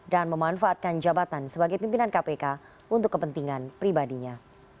dan memanfaatkan jabatan sebagai pimpinan kpk untuk kepentingan pribadinya